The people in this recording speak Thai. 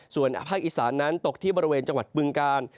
ส่วนภาคอีสานนั้นตกที่บริเวณจังหวัดบึงกาล